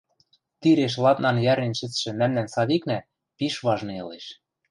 Тиреш ладнан йӓрнен шӹцшӹ мӓмнӓн Савикнӓ пиш важный ылеш.